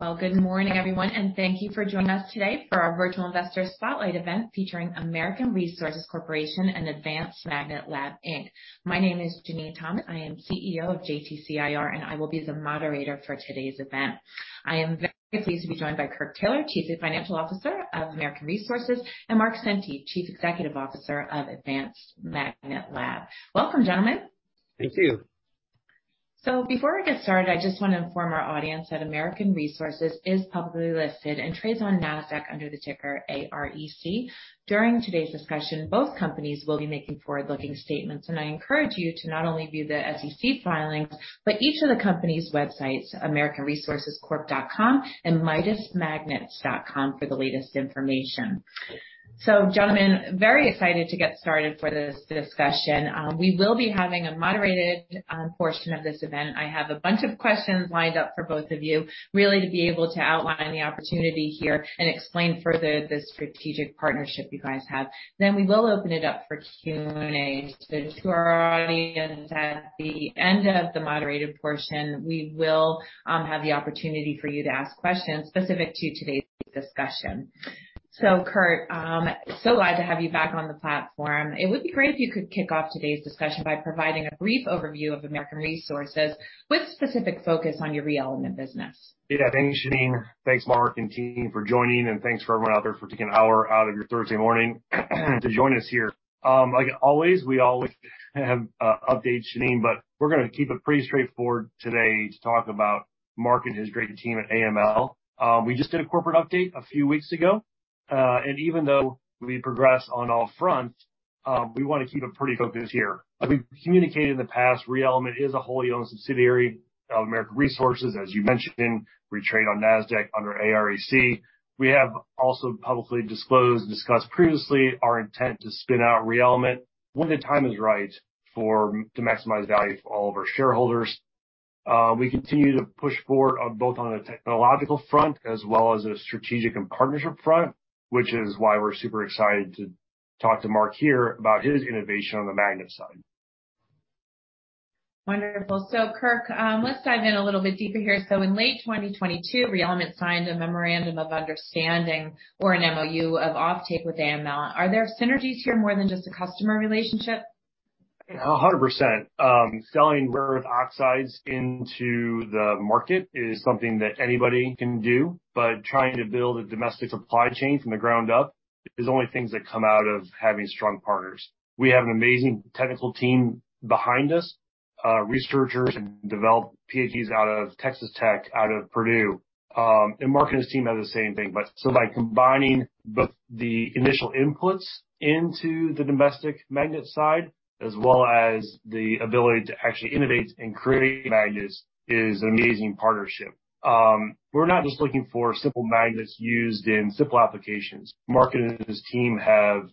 Well, good morning, everyone, and thank you for joining us today for our Virtual Investor Spotlight event featuring American Resources Corporation and Advanced Magnet Lab, Inc. My name is Jenene Thomas. I am CEO of JTC IR, and I will be the moderator for today's event. I am very pleased to be joined by Kirk Taylor, Chief Financial Officer of American Resources, and Mark Senti, Chief Executive Officer of Advanced Magnet Lab. Welcome, gentlemen. Thank you. Before I get started, I just want to inform our audience that American Resources is publicly listed and trades on NASDAQ under the ticker AREC. During today's discussion, both companies will be making forward-looking statements, and I encourage you to not only view the SEC filings, but each of the company's websites, americanresourcescorp.com and mitusmagnets.com, for the latest information. Gentlemen, very excited to get started for this discussion. We will be having a moderated portion of this event. I have a bunch of questions lined up for both of you, really, to be able to outline the opportunity here and explain further the strategic partnership you guys have. We will open it up for Q&A to our audience. At the end of the moderated portion, we will have the opportunity for you to ask questions specific to today's discussion. Kirk, so glad to have you back on the platform. It would be great if you could kick off today's discussion by providing a brief overview of American Resources with specific focus on your ReElement business. Yeah. Thank you, Jenene. Thanks, Mark and team, for joining, and thanks for everyone out there for taking one hour out of your Thursday morning to join us here. Like always, we always have updates, Jenene, but we're gonna keep it pretty straightforward today to talk about Mark and his great team at AML. We just did a corporate update a few weeks ago, and even though we progress on all fronts, we want to keep it pretty focused here. As we've communicated in the past, ReElement is a wholly owned subsidiary of American Resources. As you mentioned, we trade on NASDAQ under AREC. We have also publicly disclosed and discussed previously our intent to spin out ReElement when the time is right to maximize value for all of our shareholders. We continue to push forward on both on the technological front as well as the strategic and partnership front, which is why we're super excited to talk to Mark here about his innovation on the magnet side. Wonderful. Kirk, let's dive in a little bit deeper here. In late 2022, ReElement signed a memorandum of understanding or an MOU of offtake with AML. Are there synergies here more than just a customer relationship? 100%. Selling rare earth oxides into the market is something that anybody can do, but trying to build a domestic supply chain from the ground up is only things that come out of having strong partners. We have an amazing technical team behind us, researchers and developed PhDs out of Texas Tech, out of Purdue, and Mark and his team have the same thing. By combining both the initial inputs into the domestic magnet side, as well as the ability to actually innovate and create magnets, is an amazing partnership. We're not just looking for simple magnets used in simple applications. Mark and his team have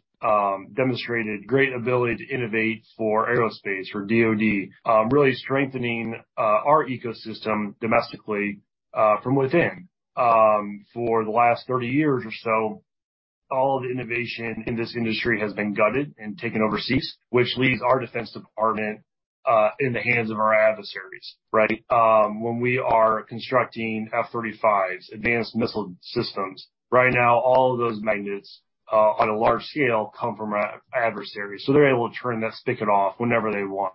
demonstrated great ability to innovate for aerospace, for DoD, really strengthening our ecosystem domestically, from within. For the last 30 years or so, all of the innovation in this industry has been gutted and taken overseas, which leaves our Department of Defense in the hands of our adversaries, right? When we are constructing F-35s, advanced missile systems, right now, all of those magnets on a large scale, come from our adversaries, so they're able to turn that spigot off whenever they want.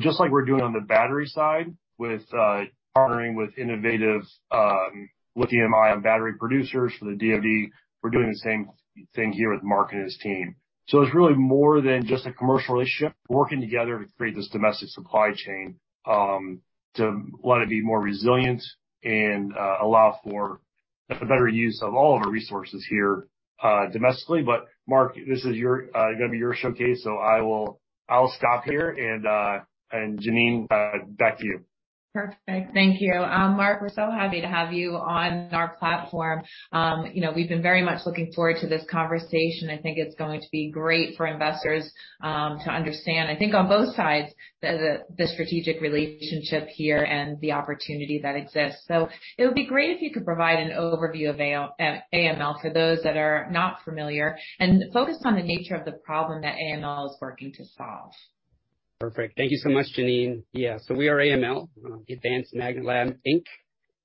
Just like we're doing on the battery side with partnering with innovative lithium ion battery producers for the DoD, we're doing the same thing here with Mark and his team. It's really more than just a commercial relationship. We're working together to create this domestic supply chain to let it be more resilient and allow for a better use of all of our resources here domestically. Mark, this is your, gonna be your showcase, so I'll stop here and, and Jenene, back to you. Perfect. Thank you. Mark, we're so happy to have you on our platform. you know, we've been very much looking forward to this conversation. I think it's going to be great for investors, to understand, I think, on both sides, the, the, the strategic relationship here and the opportunity that exists. It would be great if you could provide an overview of AML for those that are not familiar, and focus on the nature of the problem that AML is working to solve. Perfect. Thank you so much, Jenene. We are AML, Advanced Magnet Lab, Inc.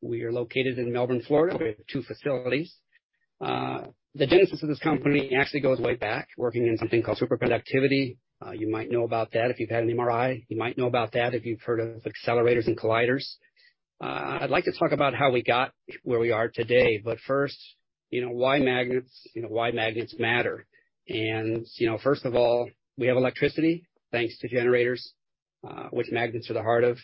We are located in Melbourne, Florida. We have two facilities. The genesis of this company actually goes way back, working in something called superconductivity. You might know about that if you've had an MRI. You might know about that if you've heard of accelerators and colliders. I'd like to talk about how we got where we are today, but first, you know, why magnets? You know, why magnets matter. You know first of all, we have electricity, thanks to generators, which magnets are the heart of.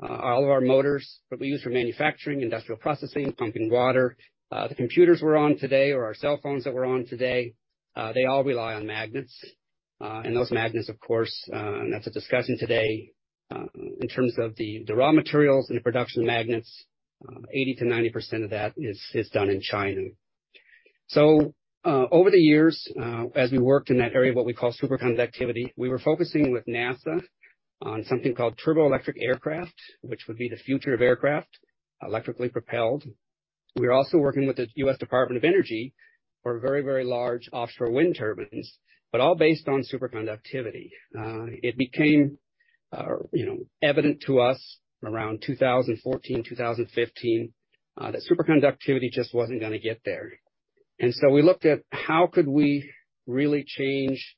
All of our motors that we use for manufacturing, industrial processing, pumping water, the computers we're on today, or our cell phones that we're on today, they all rely on magnets. Those magnets, of course, and that's a discussion today, in terms of the raw materials and the production of magnets, 80%-90% of that is done in China. Over the years, as we worked in that area of what we call superconductivity, we were focusing with NASA on something called turboelectric aircraft, which would be the future of aircraft, electrically propelled. We are also working with the U.S. Department of Energy for very, very large offshore wind turbines, but all based on superconductivity. It became, you know, evident to us around 2014, 2015, that superconductivity just wasn't gonna get there. We looked at how could we really change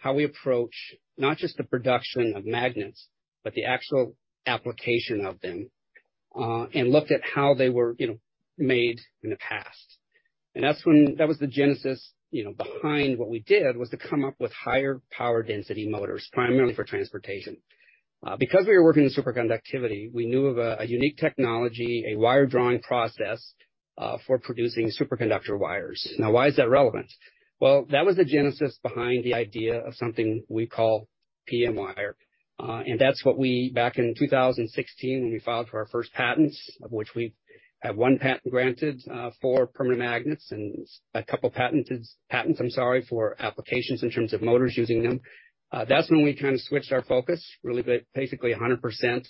how we approach not just the production of magnets, but the actual application of them, and looked at how they were, you know, made in the past. That was the genesis, you know, behind what we did, was to come up with higher power density motors, primarily for transportation. We were working in superconductivity, we knew of a unique technology, a wire-drawing process, for producing superconductor wires. Now, why is that relevant? Well, that was the genesis behind the idea of something we call PM-Wire. That's what we, back in 2016, when we filed for our first patents, of which we have one patent granted, for permanent magnets and a couple patents, I'm sorry, for applications in terms of motors using them. That's when we kind of switched our focus, really basically 100%,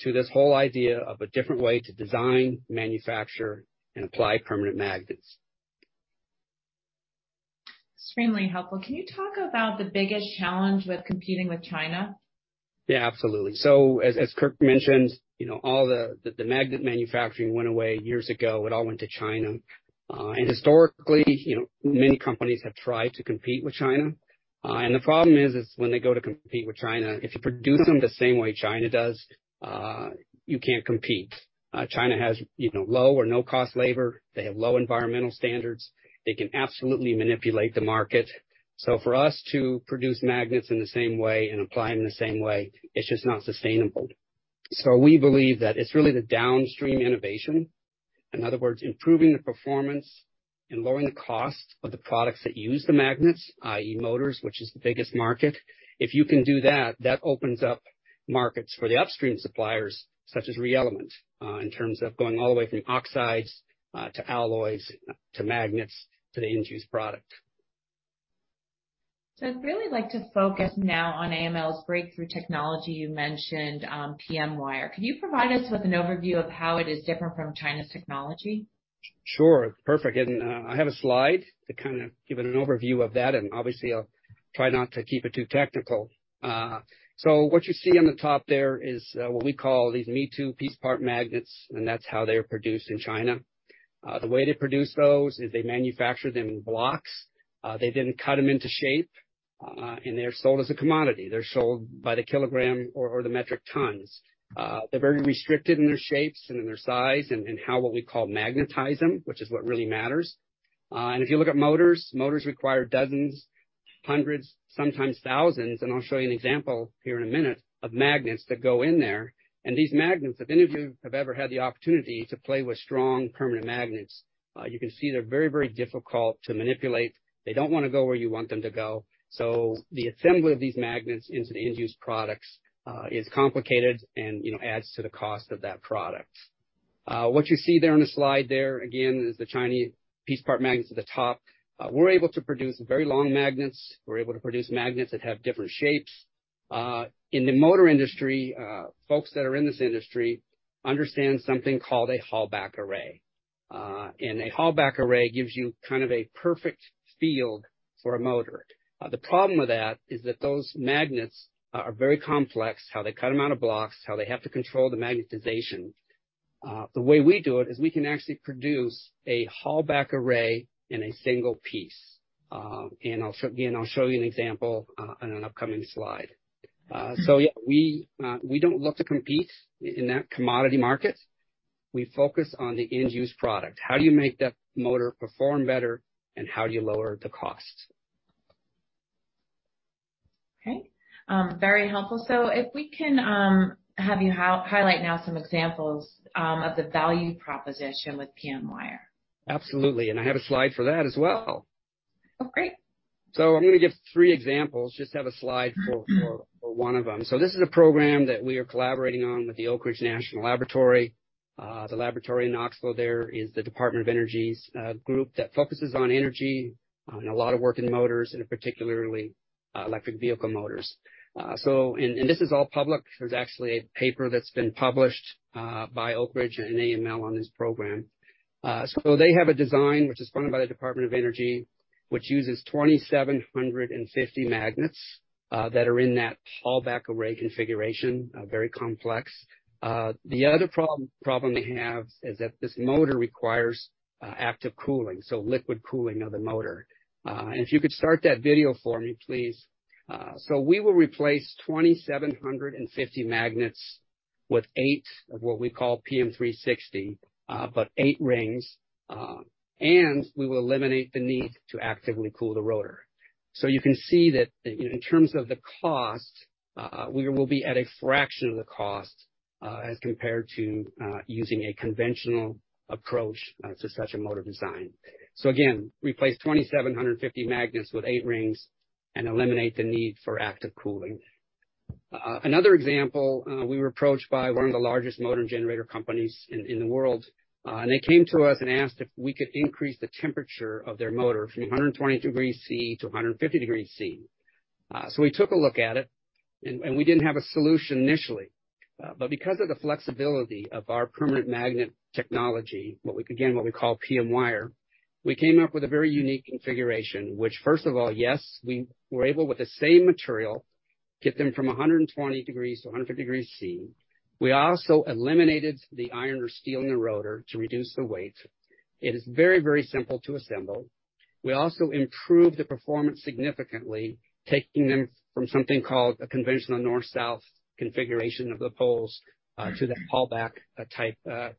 to this whole idea of a different way to design, manufacture, and apply permanent magnets. Extremely helpful. Can you talk about the biggest challenge with competing with China? Yeah, absolutely. As Kirk mentioned, you know, all the magnet manufacturing went away years ago. It all went to China. Historically, you know, many companies have tried to compete with China. The problem is, when they go to compete with China, if you produce them the same way China does, you can't compete. China has, you know, low or no-cost labor. They have low environmental standards. They can absolutely manipulate the market. For us to produce magnets in the same way and apply them the same way, it's just not sustainable. We believe that it's really the downstream innovation, in other words, improving the performance and lowering the cost of the products that use the magnets, i.e., motors, which is the biggest market. If you can do that, that opens up markets for the upstream suppliers, such as ReElement, in terms of going all the way from oxides, to alloys, to magnets, to the end-use product. I'd really like to focus now on AML's breakthrough technology. You mentioned PM-Wire. Can you provide us with an overview of how it is different from China's technology? Sure. Perfect. I have a slide to kind of give an overview of that, obviously, I'll try not to keep it too technical. What you see on the top there is what we call these me-too piece part magnets, that's how they're produced in China. The way they produce those is they manufacture them in blocks. They cut them into shape, they're sold as a commodity. They're sold by the kilogram or the metric tons. They're very restricted in their shapes and in their size, and how, what we call, magnetize them, which is what really matters. If you look at motors, motors require dozens, hundreds, sometimes thousands, and I'll show you an example here in a minute, of magnets that go in there. These magnets, if any of you have ever had the opportunity to play with strong permanent magnets, you can see they're very, very difficult to manipulate. They don't want to go where you want them to go. The assembly of these magnets into the end-use products is complicated and, you know, adds to the cost of that product. What you see there on the slide there, again, is the Chinese piece part magnets at the top. We're able to produce very long magnets. We're able to produce magnets that have different shapes. In the motor industry, folks that are in this industry understand something called a Halbach array. A Halbach array gives you kind of a perfect field for a motor. The problem with that is that those magnets are very complex, how they cut them out of blocks, how they have to control the magnetization. The way we do it is we can actually produce a Halbach array in a single piece. I'll show, again, I'll show you an example, on an upcoming slide. Yeah, we, we don't look to compete in that commodity market. We focus on the end-use product. How do you make that motor perform better, and how do you lower the cost? Okay. Very helpful. If we can, have you highlight now some examples of the value proposition with PM-Wire. Absolutely, I have a slide for that as well. Oh, great. I'm gonna give three examples. Just have a slide. Mm-hmm. For one of them. This is a program that we are collaborating on with the Oak Ridge National Laboratory. The laboratory in Knoxville there is the Department of Energy's group that focuses on energy, and a lot of work in motors, and particularly, electric vehicle motors. This is all public. There's actually a paper that's been published by Oak Ridge and AML on this program. They have a design which is funded by the Department of Energy, which uses 2,750 magnets that are in that Halbach array configuration. Very complex. The other problem they have is that this motor requires active cooling, so liquid cooling of the motor. If you could start that video for me, please. We will replace 2,750 magnets with eight of what we call PM-360, but eight rings. We will eliminate the need to actively cool the rotor. You can see that in terms of the cost, we will be at a fraction of the cost, as compared to using a conventional approach to such a motor design. Again, replace 2,750 magnets with eight rings and eliminate the need for active cooling. Another example, we were approached by one of the largest motor generator companies in the world, and they came to us and asked if we could increase the temperature of their motor from 120 degrees Celsius-150 degrees Celsius. We took a look at it, and we didn't have a solution initially. Because of the flexibility of our permanent magnet technology, what we call PM-Wire, we came up with a very unique configuration, which first of all, yes, we were able, with the same material, get them from 120 degrees Celcius-100 degrees Celcius. We also eliminated the iron or steel in the rotor to reduce the weight. It is very, very simple to assemble. We also improved the performance significantly, taking them from something called a conventional north-south configuration of the poles, to the Halbach, type,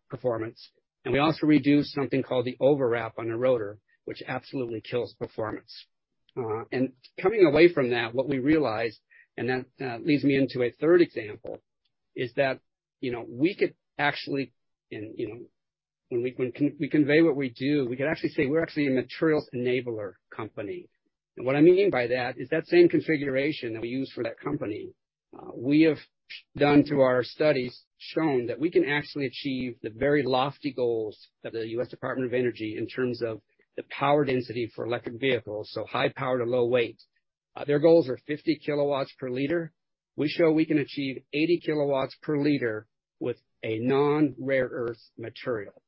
performance. We also reduced something called the overwrap on the rotor, which absolutely kills performance. Coming away from that, what we realized, and that leads me into a third example, is that, you know, we could actually, and, you know, when we convey what we do, we could actually say, "We're actually a materials enabler company." What I mean by that, is that same configuration that we use for that company, we have done through our studies, shown that we can actually achieve the very lofty goals of the U.S. Department of Energy in terms of the power density for electric vehicles, so high power to low weight. Their goals are 50 kW/L. We show we can achieve 80 kW/L with a non-rare earth material.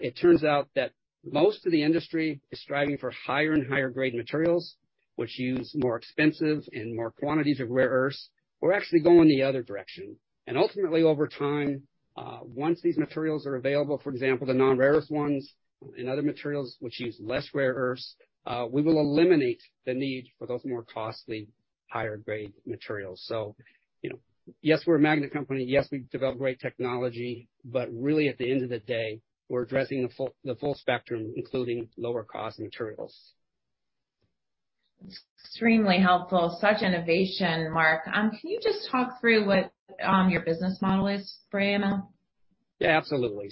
It turns out that most of the industry is striving for higher and higher grade materials, which use more expensive and more quantities of rare earths. We're actually going the other direction. Ultimately, over time, once these materials are available, for example, the non-rare earth ones and other materials which use less rare earths, we will eliminate the need for those more costly, higher grade materials. You know, yes, we're a magnet company, yes, we develop great technology, but really, at the end of the day, we're addressing the full, the full spectrum, including lower cost materials. Extremely helpful. Such innovation, Mark. Can you just talk through what your business model is for AML? Yeah, absolutely.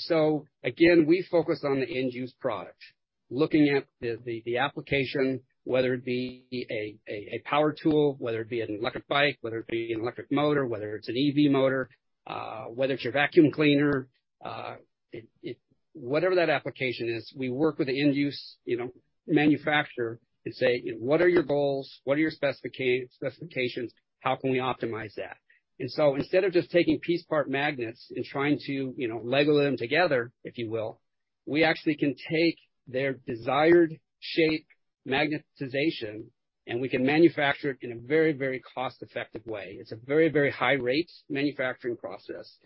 Again, we focus on the end-use product. Looking at the application, whether it be a power tool, whether it be an electric bike, whether it be an electric motor, whether it's an EV motor, whether it's your vacuum cleaner. Whatever that application is, we work with the end use, you know, manufacturer and say: What are your goals? What are your specifications? How can we optimize that? Instead of just taking piece part magnets and trying to, you know, Lego them together, if you will, we actually can take their desired shape, magnetization, and we can manufacture it in a very, very cost-effective way. It's a very, very high rate manufacturing process.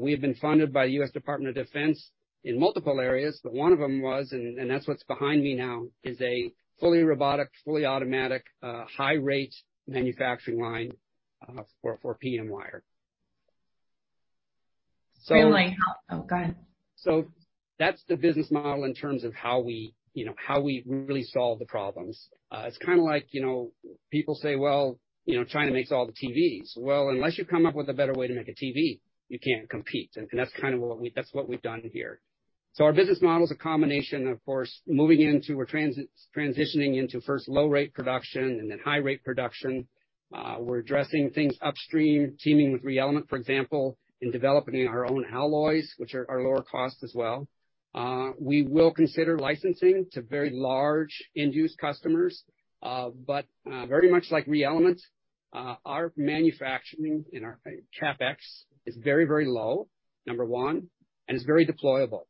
We have been funded by the U.S. Department of Defense in multiple areas, but one of them was, and that's what's behind me now, is a fully robotic, fully automatic, high rate manufacturing line, for PM-Wire. Really? Oh, go ahead. That's the business model in terms of how we, you know, how we really solve the problems. It's kind of like, you know, people say, "Well, you know, China makes all the TVs." Unless you come up with a better way to make a TV, you can't compete. That's what we've done here. Our business model is a combination, of course, moving into or transitioning into first low-rate production and then high rate production. We're addressing things upstream, teaming with ReElement, for example, in developing our own alloys, which are lower cost as well. We will consider licensing to very large end-use customers, but, very much like ReElement, our manufacturing and our CapEx is very, very low, number one, and it's very deployable.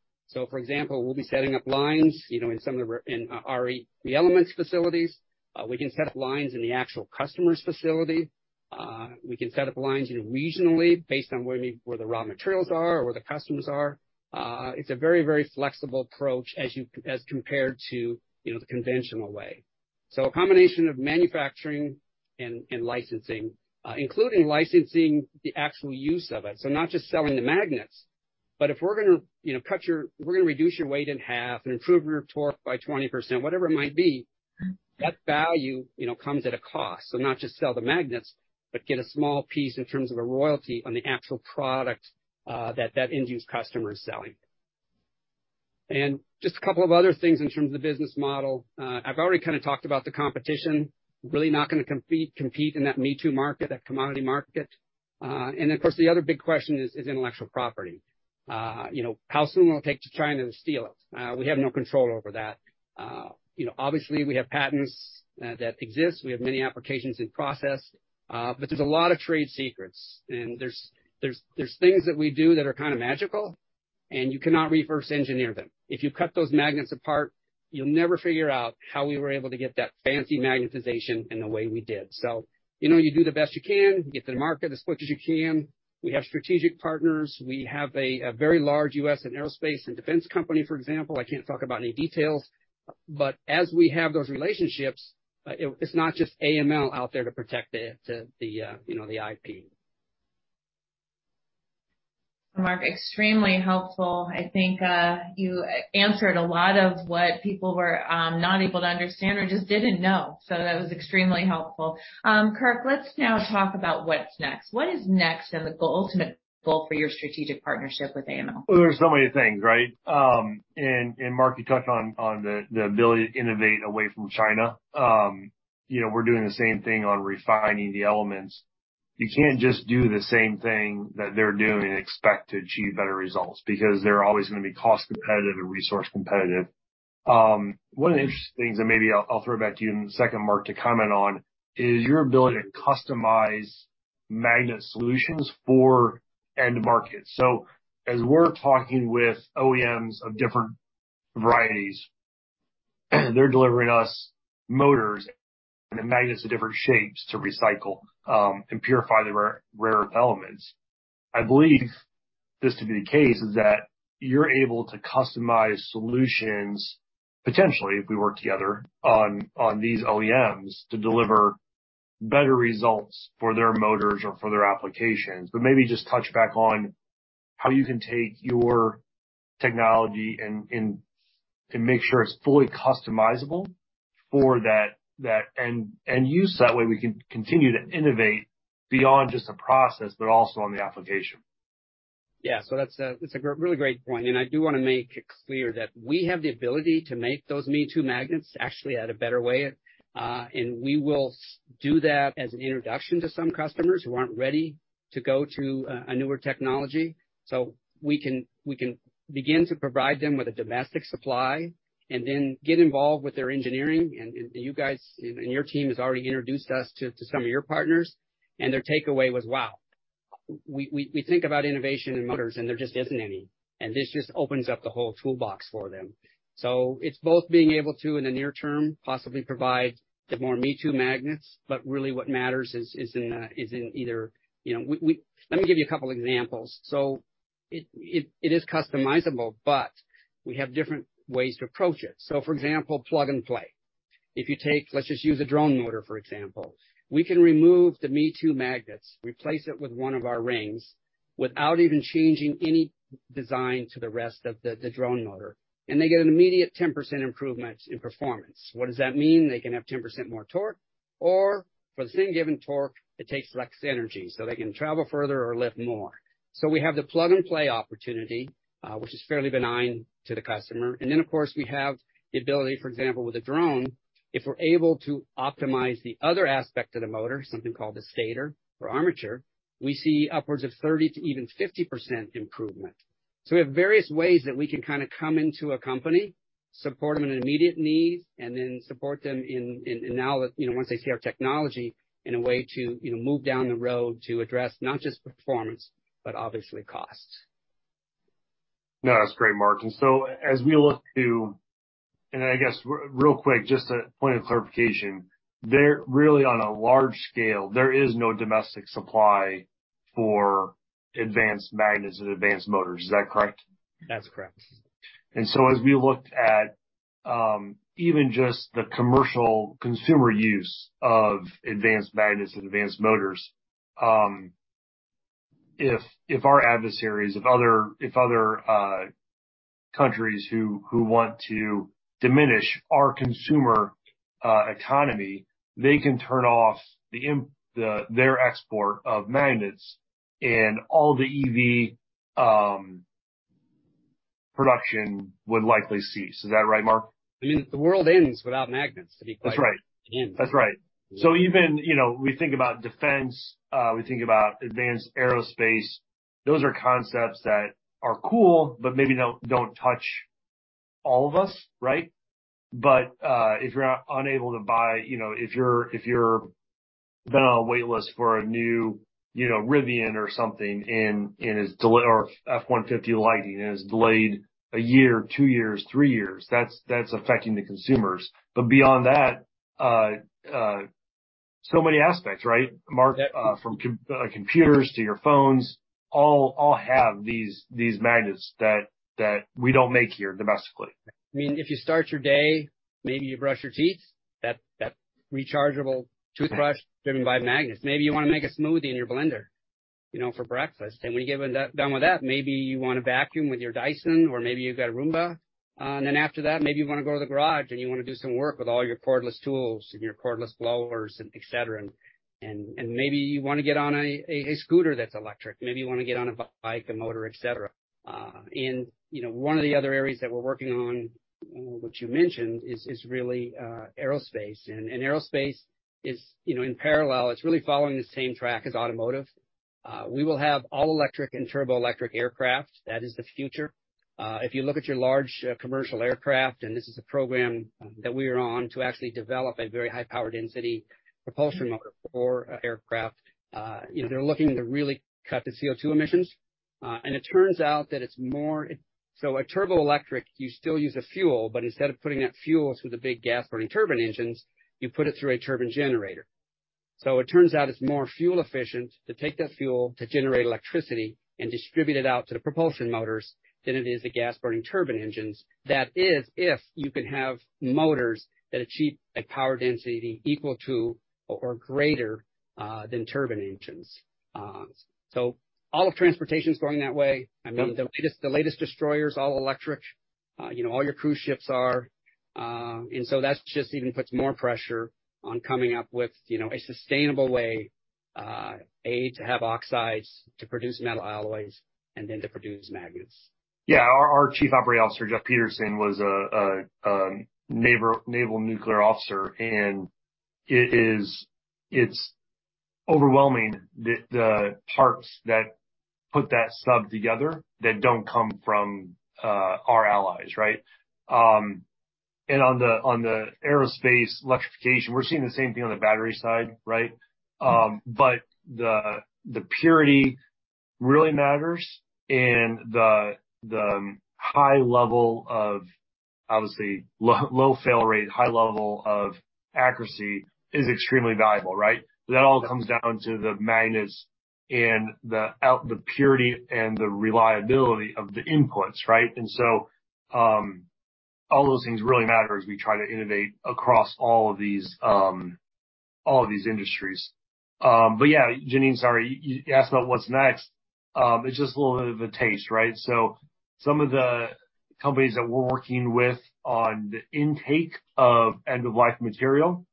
For example, we'll be setting up lines, you know, in some of our, in our ReElement's facilities. We can set up lines in the actual customer's facility. We can set up lines, you know, regionally based on where we, where the raw materials are or where the customers are. It's a very, very flexible approach as you, as compared to, you know, the conventional way. A combination of manufacturing and, and licensing, including licensing the actual use of it. Not just selling the magnets, but if we're gonna, you know, we're gonna reduce your weight in half and improve your torque by 20%, whatever it might be, that value, you know, comes at a cost. Not just sell the magnets, but get a small piece in terms of a royalty on the actual product that that end-use customer is selling. Just a couple of other things in terms of the business model. I've already kind of talked about the competition. Really not gonna compete in that me-too market, that commodity market. Then, of course, the other big question is, is intellectual property. You know, how soon will it take to China to steal it? We have no control over that. You know, obviously, we have patents that exist. We have many applications in process, but there's a lot of trade secrets, and there's things that we do that are kind of magical, and you cannot reverse engineer them. If you cut those magnets apart, you'll never figure out how we were able to get that fancy magnetization in the way we did. You know, you do the best you can, get to the market as quick as you can. We have strategic partners. We have a very large U.S. and aerospace and defense company, for example. I can't talk about any details, but as we have those relationships, it's not just AML out there to protect the, you know, the IP. Mark, extremely helpful. I think, you answered a lot of what people were not able to understand or just didn't know. That was extremely helpful. Kirk, let's now talk about what's next. What is next, and the goal, ultimate goal for your strategic partnership with AML? Well, there's so many things, right? Mark, you touched on the ability to innovate away from China. you know, we're doing the same thing on refining the elements. You can't just do the same thing that they're doing and expect to achieve better results, because they're always gonna be cost competitive and resource competitive. One of the interesting things that maybe I'll throw back to you in a second, Mark, to comment on, is your ability to customize magnet solutions for end markets. As we're talking with OEMs of different varieties, they're delivering us motors and the magnets of different shapes to recycle and purify the rare earth elements. I believe this to be the case, is that you're able to customize solutions, potentially, if we work together on these OEMs, to deliver better results for their motors or for their applications. Maybe just touch back on how you can take your technology and make sure it's fully customizable for that and use. That way, we can continue to innovate beyond just the process, but also on the application. Yeah. That's a great, really great point, and I do wanna make it clear that we have the ability to make those me-too magnets, actually, at a better way. We will do that as an introduction to some customers who aren't ready to go to a newer technology. We can begin to provide them with a domestic supply, and then get involved with their engineering. You guys and your team has already introduced us to some of your partners, and their takeaway was, "Wow! We think about innovation in motors, and there just isn't any." This just opens up the whole toolbox for them. It's both being able to, in the near term, possibly provide the more me-too magnets, but really what matters is in either... You know, we Let me give you a couple examples. It is customizable, but we have different ways to approach it. For example, plug and play. If you let's just use a drone motor, for example, we can remove the me-too magnets, replace it with one of our rings, without even changing any design to the rest of the drone motor, and they get an immediate 10% improvement in performance. What does that mean? They can have 10% more torque, or for the same given torque, it takes less energy, so they can travel further or lift more. We have the plug-and-play opportunity, which is fairly benign to the customer. Of course, we have the ability, for example, with a drone, if we're able to optimize the other aspect of the motor, something called the stator or armature, we see upwards of 30% to even 50% improvement. We have various ways that we can kind of come into a company, support them in an immediate need, and then support them in, and now that, you know, once they see our technology, in a way to, you know, move down the road to address not just performance, but obviously costs. No, that's great, Mark. I guess, real quick, just a point of clarification, really, on a large scale, there is no domestic supply for advanced magnets and advanced motors. Is that correct? That's correct. As we looked at, even just the commercial consumer use of advanced magnets and advanced motors, if, if our adversaries, if other, if other countries who, who want to diminish our consumer economy, they can turn off the, their export of magnets, and all the EV production would likely cease. Is that right, Mark? I mean, the world ends without magnets, to be quite-. That's right. It ends. That's right. Even, you know, we think about defense, we think about advanced aerospace. Those are concepts that are cool, but maybe don't touch all of us, right? If you're unable to buy, you know, if you're been on a wait list for a new, you know, Rivian or something, and it is or F-150 Lightning, and it's delayed one year, two years, three years, that's affecting the consumers. Beyond that, so many aspects, right, Mark? Yeah. From computers to your phones, all have these magnets that we don't make here domestically. I mean, if you start your day, maybe you brush your teeth, that rechargeable toothbrush. Right -driven by magnets. Maybe you wanna make a smoothie in your blender, you know, for breakfast, when you get done with that, maybe you want to vacuum with your Dyson, or maybe you've got a Roomba. After that, maybe you wanna go to the garage, and you wanna do some work with all your cordless tools and your cordless blowers and et cetera. Maybe you wanna get on a scooter that's electric. Maybe you wanna get on a bike, a motor, et cetera. You know, one of the other areas that we're working on, which you mentioned, is really aerospace. Aerospace is, you know, in parallel, it's really following the same track as automotive. We will have all electric and turboelectric aircraft. That is the future. If you look at your large, commercial aircraft, and this is a program, that we are on to actually develop a very high power density propulsion motor for, aircraft, you know, they're looking to really cut the CO2 emissions. It turns out that it's a turboelectric, you still use a fuel, but instead of putting that fuel through the big gas burning turbine engines, you put it through a turbine generator. It turns out it's more fuel efficient to take that fuel to generate electricity and distribute it out to the propulsion motors than it is the gas burning turbine engines. That is, if you can have motors that achieve a power density equal to or greater, than turbine engines. All of transportation is going that way. Yep. I mean, the latest destroyer is all electric. You know, all your cruise ships are. That's just even puts more pressure on coming up with, you know, a sustainable way, A, to have oxides, to produce metal alloys, and then to produce magnets. Our Chief Operating Officer, Jeff Peterson, was a naval nuclear officer. It is overwhelming the parts that put that sub together that don't come from our allies, right? On the aerospace electrification, we're seeing the same thing on the battery side, right? The purity really matters and the high level of, obviously, low fail rate, high level of accuracy is extremely valuable, right? That all comes down to the magnets and the purity and the reliability of the inputs, right? All those things really matter as we try to innovate across all of these industries. Yeah, Jenene, sorry, you asked about what's next. It's just a little bit of a taste, right? Some of the companies that we're working with on the intake of end-of-life material,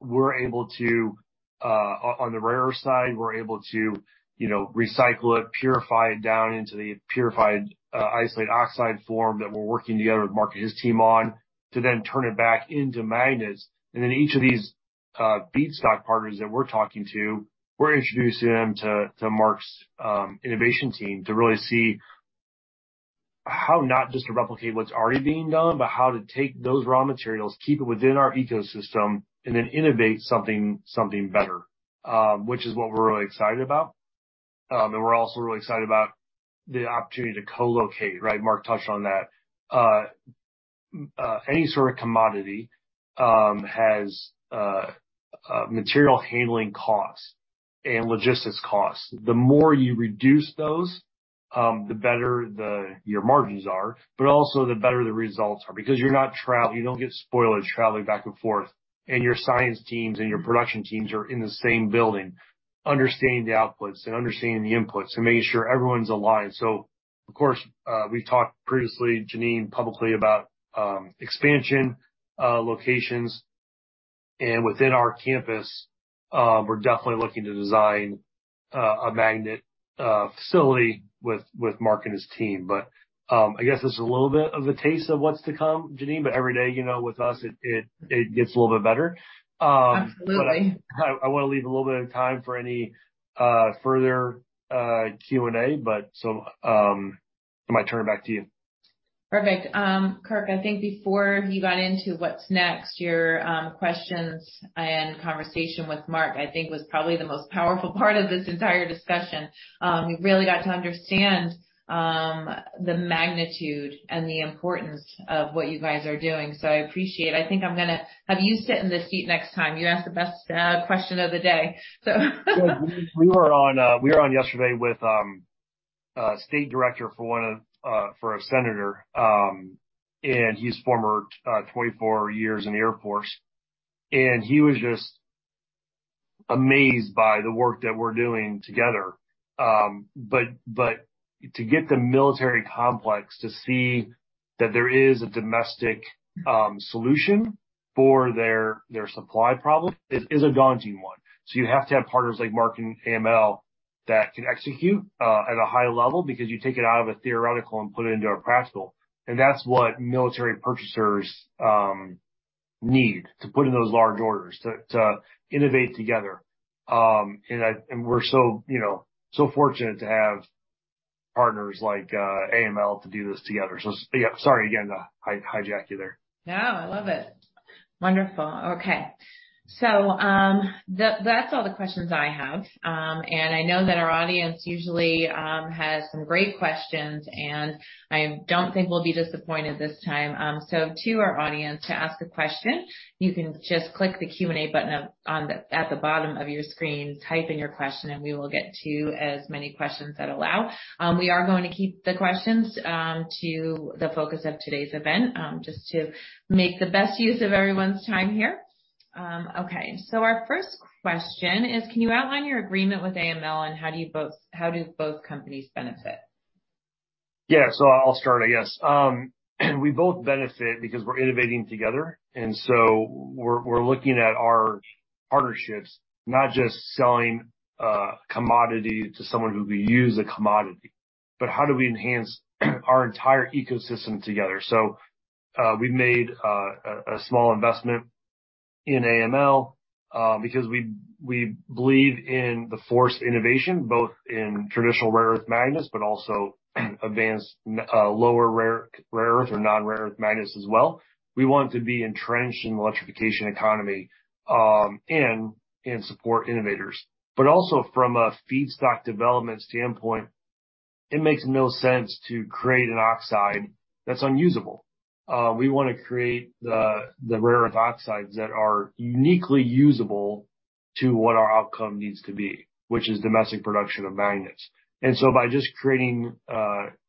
we're able to, on the rare earth side, we're able to, you know, recycle it, purify it down into the purified isolate oxide form that we're working together with Mark and his team on, to then turn it back into magnets. Each of these feedstock partners that we're talking to, we're introducing them to Mark's innovation team to really see how not just to replicate what's already being done, but how to take those raw materials, keep it within our ecosystem, and then innovate something better, which is what we're really excited about. We're also really excited about the opportunity to co-locate, right? Mark touched on that. Any sort of commodity has material handling costs and logistics costs. The more you reduce those, the better your margins are, but also the better the results are, because you're not you don't get spoilage traveling back and forth, and your science teams and your production teams are in the same building, understanding the outputs and understanding the inputs, and making sure everyone's aligned. Of course, we've talked previously, Jenene, publicly about expansion locations. Within our campus, we're definitely looking to design a magnet facility with Mark and his team. I guess this is a little bit of a taste of what's to come, Jenene, but every day, you know, with us, it gets a little bit better. Absolutely. I wanna leave a little bit of time for any further Q&A. I might turn it back to you. Perfect. Kirk, I think before you got into what's next, your questions and conversation with Mark, I think, was probably the most powerful part of this entire discussion. We really got to understand the magnitude and the importance of what you guys are doing, so I appreciate it. I think I'm gonna have you sit in this seat next time. You asked the best question of the day. We were on yesterday with a state director for a senator, he's former 24 years in the Air Force, and he was just amazed by the work that we're doing together. To get the military complex to see that there is a domestic solution for their supply problem is a daunting one. You have to have partners like Mark and AML that can execute at a high level, because you take it out of a theoretical and put it into a practical, that's what military purchasers need to put in those large orders, to innovate together. We're so, you know, so fortunate to have partners like AML to do this together. Yeah, sorry again to hijack you there. No, I love it. Wonderful. Okay. That, that's all the questions I have. I know that our audience usually has some great questions, and I don't think we'll be disappointed this time. To our audience, to ask a question, you can just click the Q&A button at the bottom of your screen, type in your question, and we will get to as many questions that allow. We are going to keep the questions to the focus of today's event, just to make the best use of everyone's time here. Okay, our first question is: Can you outline your agreement with AML, and how do both companies benefit? Yeah. I'll start, I guess. We both benefit because we're innovating together, we're looking at our partnerships, not just selling a commodity to someone who we use a commodity, but how do we enhance our entire ecosystem together? We made a small investment in AML because we believe in the forced innovation, both in traditional rare earth magnets, but also advanced lower rare earth or non-rare earth magnets as well. We want to be entrenched in the electrification economy and support innovators. Also from a feedstock development standpoint, it makes no sense to create an oxide that's unusable. We wanna create the rare earth oxides that are uniquely usable to what our outcome needs to be, which is domestic production of magnets. By just creating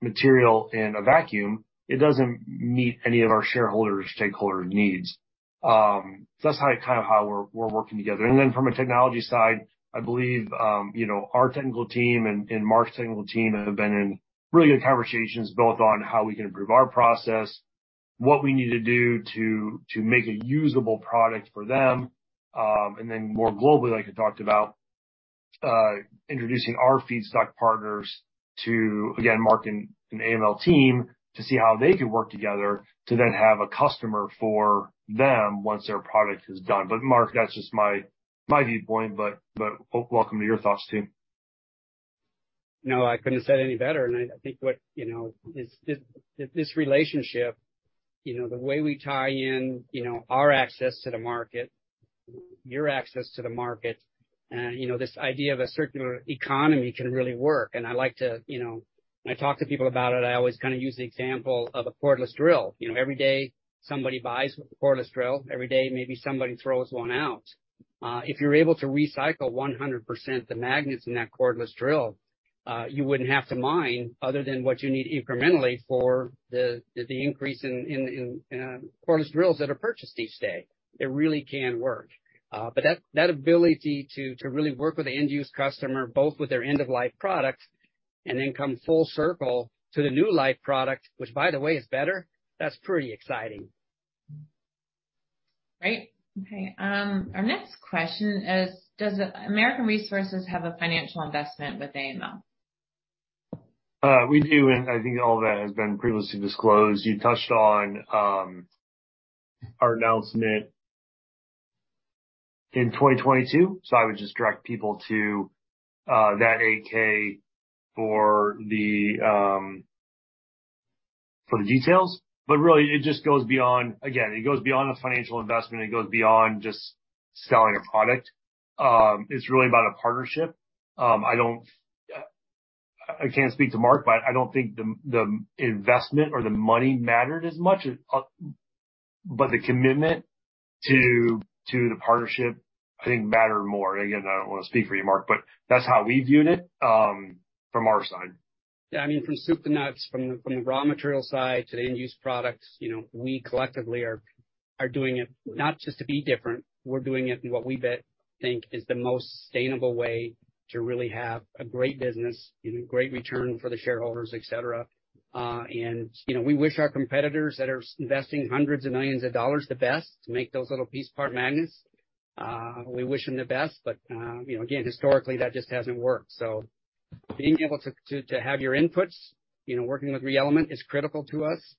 material in a vacuum, it doesn't meet any of our shareholders' stakeholder needs. That's how, kind of how we're working together. From a technology side, I believe, you know, our technical team and Mark's technical team have been in really good conversations, both on how we can improve our process, what we need to do to make a usable product for them. More globally, like I talked about, introducing our feedstock partners to, again, Mark and AML team to see how they can work together to then have a customer for them once their product is done. Mark, that's just my viewpoint. Welcome to your thoughts, too. No, I couldn't have said it any better. I think what, you know, is this relationship, you know, the way we tie in, you know, our access to the market, your access to the market, you know, this idea of a circular economy can really work. I like to, when I talk to people about it, I always kind of use the example of a cordless drill. You know, every day, somebody buys a cordless drill. Every day, maybe somebody throws one out. If you're able to recycle 100% the magnets in that cordless drill, you wouldn't have to mine other than what you need incrementally for the increase in cordless drills that are purchased each day. It really can work. That ability to really work with the end-use customer, both with their end-of-life products and then come full circle to the new life product, which, by the way, is better, that's pretty exciting. Great! Okay, our next question is: Does American Resources have a financial investment with AML? We do, and I think all that has been previously disclosed. You touched on our announcement in 2022, so I would just direct people to that Form 8-K for the details. Really, it just goes beyond. Again, it goes beyond a financial investment. It goes beyond just selling a product. It's really about a partnership. I can't speak to Mark, but I don't think the investment or the money mattered as much as, but the commitment to the partnership, I think, mattered more. Again, I don't want to speak for you, Mark, but that's how we viewed it from our side. Yeah, I mean, from soup to nuts, from the raw material side to the end-use products, you know, we collectively are doing it not just to be different. We're doing it in what we think is the most sustainable way to really have a great business, you know, great return for the shareholders, et cetera. You know, we wish our competitors that are investing hundreds of millions of dollars, the best, to make those little piece part magnets. You know, again, historically, that just hasn't worked. Being able to have your inputs, you know, working with ReElement is critical to us.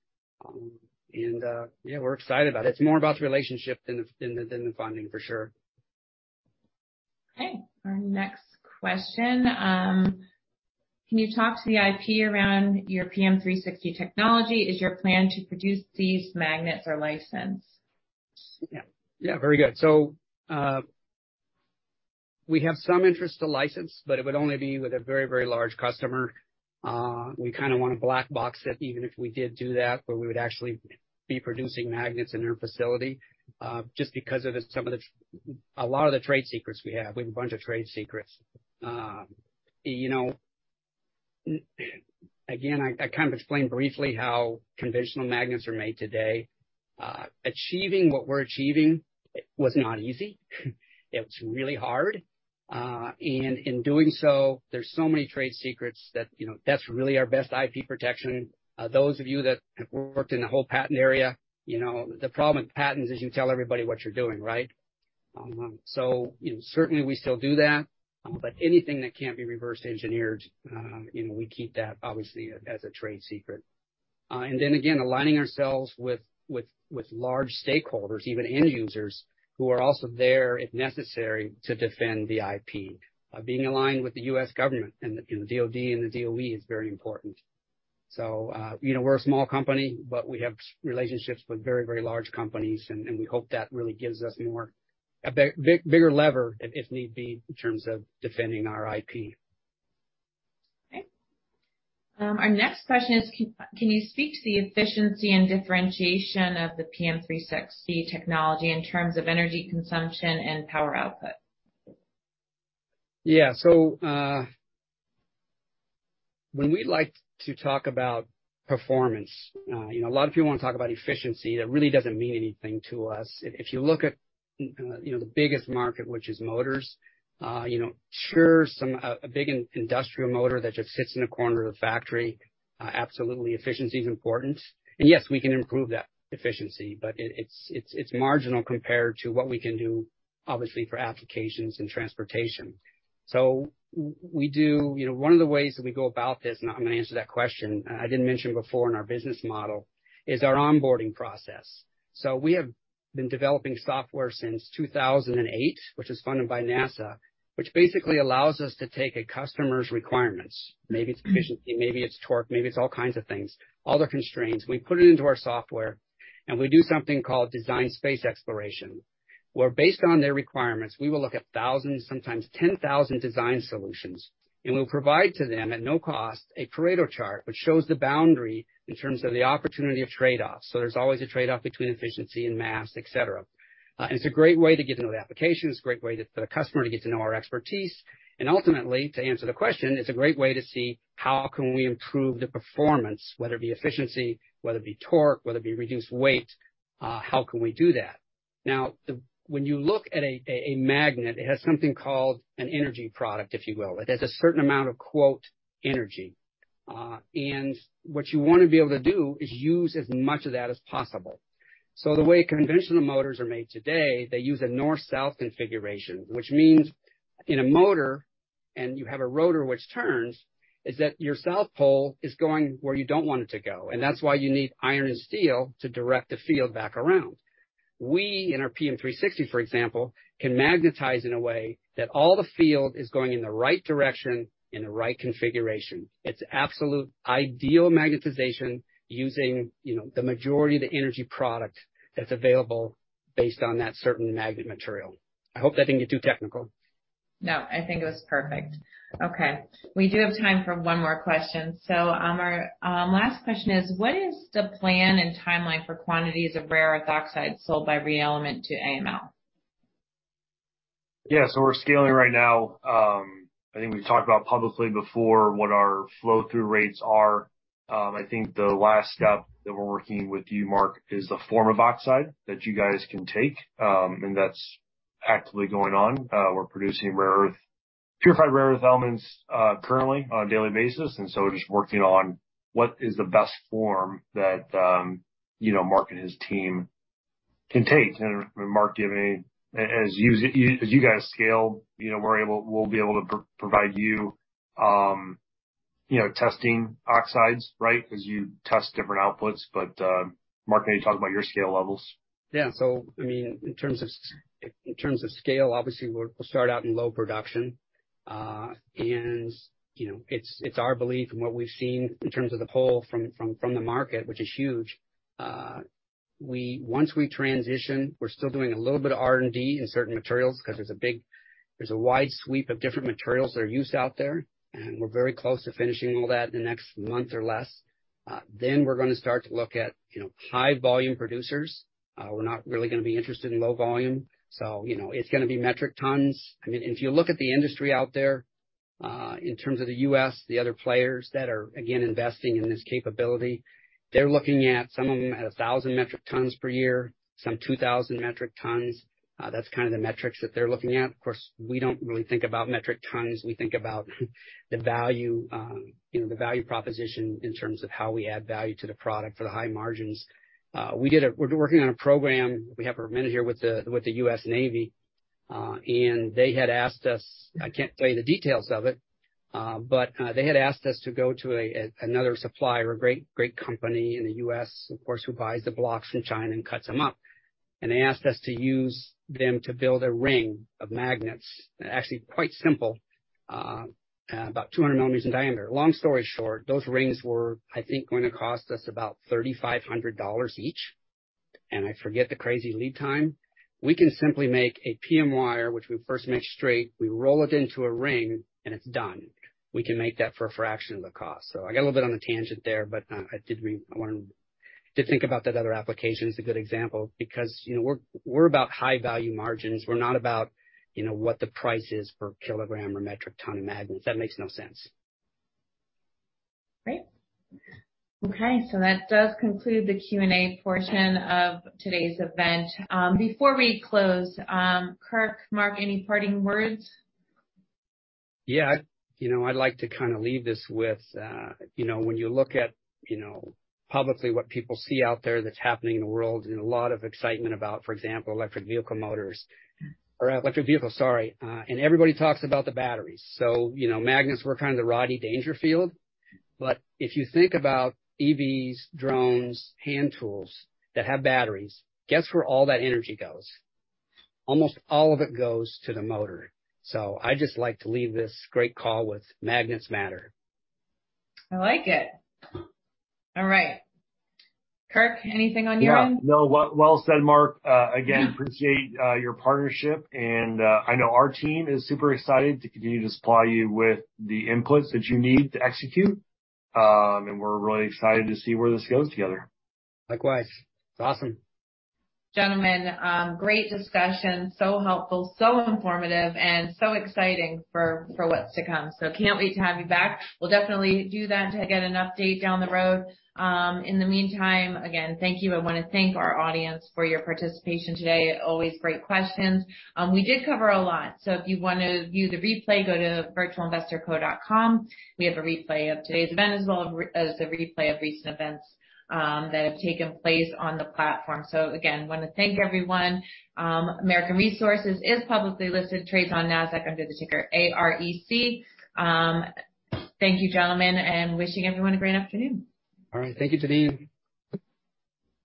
Yeah, we're excited about it. It's more about the relationship than the funding, for sure. Okay. Our next question. Can you talk to the IP around your PM-360 technology? Is your plan to produce these magnets or license? Yeah. Yeah, very good. We have some interest to license, but it would only be with a very, very large customer. We kind of want to black box it, even if we did do that, where we would actually be producing magnets in their facility, just because of a lot of the trade secrets we have. We have a bunch of trade secrets. You know, again, I kind of explained briefly how conventional magnets are made today. Achieving what we're achieving was not easy. It's really hard. In doing so, there's so many trade secrets that, you know, that's really our best IP protection. Those of you that have worked in the whole patent area, you know, the problem with patents is you tell everybody what you're doing, right? You know, certainly we still do that, but anything that can't be reverse engineered, you know, we keep that obviously as a trade secret. Then again, aligning ourselves with large stakeholders, even end users, who are also there, if necessary, to defend the IP. Being aligned with the U.S. government and the DoD and the DOE is very important. You know, we're a small company, but we have relationships with very large companies, and we hope that really gives us more bigger lever, if need be, in terms of defending our IP. Okay. Our next question is: Can you speak to the efficiency and differentiation of the PM-360 technology in terms of energy consumption and power output? Yeah. When we like to talk about performance, you know, a lot of people want to talk about efficiency. That really doesn't mean anything to us. If you look at, you know, the biggest market, which is motors, you know, sure, a big industrial motor that just sits in the corner of the factory, absolutely, efficiency is important. Yes, we can improve that efficiency, but it, it's, it's, it's marginal compared to what we can do, obviously, for applications and transportation. You know, one of the ways that we go about this, and I'm gonna answer that question, I didn't mention before in our business model, is our onboarding process. We have been developing software since 2008, which is funded by NASA, which basically allows us to take a customer's requirements, maybe it's efficiency, maybe it's torque, maybe it's all kinds of things, all the constraints. We put it into our software, and we do something called design space exploration, where, based on their requirements, we will look at 1,000, sometimes 10,000 design solutions, and we'll provide to them, at no cost, a Pareto chart, which shows the boundary in terms of the opportunity of trade-offs. There's always a trade-off between efficiency and mass, et cetera. It's a great way to get to know the application. It's a great way that the customer to get to know our expertise. Ultimately, to answer the question, it's a great way to see: How can we improve the performance, whether it be efficiency, whether it be torque, whether it be reduced weight? How can we do that? When you look at a magnet, it has something called an energy product, if you will. It has a certain amount of, quote, "energy." What you want to be able to do is use as much of that as possible. The way conventional motors are made today, they use a north-south configuration, which means in a motor, and you have a rotor, which turns, is that your south pole is going where you don't want it to go, and that's why you need iron and steel to direct the field back around. We, in our PM-360, for example, can magnetize in a way that all the field is going in the right direction, in the right configuration. It's absolute ideal magnetization using, you know, the majority of the energy product that's available based on that certain magnet material. I hope I didn't get too technical. No, I think it was perfect. Okay, we do have time for one more question. Our last question is: what is the plan and timeline for quantities of rare earth oxides sold by ReElement to AML? Yeah, we're scaling right now. I think we've talked about publicly before, what our flow through rates are. I think the last step that we're working with you, Mark, is the form of oxide that you guys can take. That's actively going on. We're producing purified rare earth elements currently on a daily basis, we're just working on what is the best form that, you know, Mark and his team can take. Mark, giving as you guys scale, you know, we'll be able to provide you, you know, testing oxides, right? Because you test different outputs. Mark, can you talk about your scale levels? Yeah. I mean, in terms of scale, obviously, we're, we'll start out in low production. you know, it's, it's our belief, and what we've seen in terms of the poll from the market, which is huge, once we transition, we're still doing a little bit of R&D in certain materials, because there's a wide sweep of different materials that are used out there, and we're very close to finishing all that in the next month or less. We're gonna start to look at, you know, high volume producers. We're not really gonna be interested in low volume. you know, it's gonna be metric tons. I mean, if you look at the industry out there, in terms of the U.S., the other players that are, again, investing in this capability, they're looking at, some of them, at 1,000 metric tons per year, some 2,000 metric tons. That's kind of the metrics that they're looking at. Of course, we don't really think about metric tons. We think about the value, you know, the value proposition in terms of how we add value to the product for the high margins. We're working on a program, we have for a minute here, with the U.S. Navy. They had asked us... I can't tell you the details of it, but they had asked us to go to a another supplier, a great, great company in the US, of course, who buys the blocks from China and cuts them up. They asked us to use them to build a ring of magnets. Actually, quite simple, about 200 mm in diameter. Long story short, those rings were, I think, going to cost us about $3,500 each, and I forget the crazy lead time. We can simply make a PM-Wire, which we first make straight, we roll it into a ring, and it's done. We can make that for a fraction of the cost. I got a little bit on a tangent there, but I wanted to think about that other application as a good example, because, you know, we're, we're about high value margins. We're not about, you know, what the price is per kilogram or metric ton of magnets. That makes no sense. Great. Okay, that does conclude the Q&A portion of today's event. Before we close, Kirk, Mark, any parting words? You know, I'd like to kind of leave this with, you know, when you look at, you know, publicly, what people see out there that's happening in the world, a lot of excitement about, for example, electric vehicle motors or electric vehicles, sorry. Everybody talks about the batteries. You know, magnets, we're kind of the Rodney Dangerfield. If you think about EVs, drones, hand tools that have batteries, guess where all that energy goes? Almost all of it goes to the motor. I'd just like to leave this great call with: magnets matter. I like it. All right. Kirk, anything on your end? No, well said, Mark. Again, appreciate your partnership, and I know our team is super excited to continue to supply you with the inputs that you need to execute. We're really excited to see where this goes together. Likewise. It's awesome. Gentlemen, great discussion. Helpful, so informative, and so exciting for what's to come. Can't wait to have you back. We'll definitely do that to get an update down the road. In the meantime, again, thank you. I want to thank our audience for your participation today. Always great questions. We did cover a lot, so if you want to view the replay, go to virtualinvestorco.com. We have a replay of today's event, as well as a replay of recent events that have taken place on the platform. Again, want to thank everyone. American Resources is publicly listed, trades on NASDAQ under the ticker AREC. Thank you, gentlemen, and wishing everyone a great afternoon. All right. Thank you, Jenene.